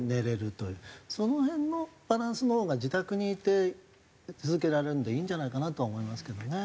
その辺のバランスのほうが自宅にいて続けられるんでいいんじゃないかなとは思いますけどね。